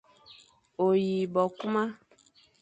O yi bo kuma,